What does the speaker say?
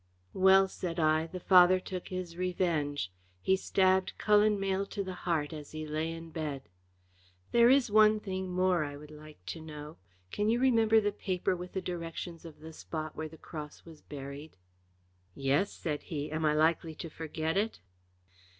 "Well," said I, "the father took his revenge. He stabbed Cullen Mayle to the heart as he lay in bed. There is one thing more I would like to know. Can you remember the paper with the directions of the spot where the cross was buried?" "Yes," said he; "am I likely to forget it?"